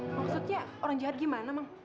maksudnya orang jahat gimana bang